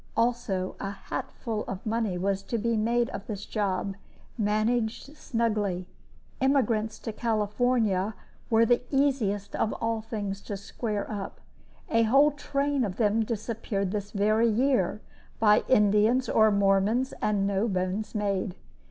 Also a hatful of money was to be made of this job, managed snugly. Emigrants to California were the easiest of all things to square up. A whole train of them disappeared this very year, by Indians or Mormons, and no bones made.